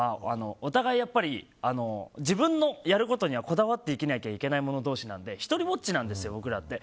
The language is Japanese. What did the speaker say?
お互い、自分のやることにはこだわって生きなきゃいけない者同士なので一人ぼっちなんですよ、僕らって。